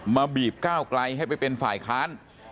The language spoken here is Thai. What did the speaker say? บีบก้าวไกลให้ไปเป็นฝ่ายค้าน